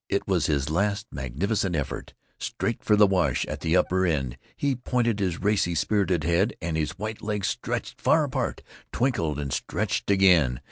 It was his last magnificent effort. Straight for the wash at the upper end he pointed his racy, spirited head, and his white legs stretched far apart, twinkled and stretched again.